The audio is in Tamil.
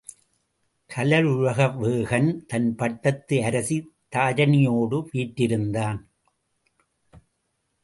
கலுழவேகன் தன் பட்டத்து அாசி தரணியோடு வீற்றிருந்தான்.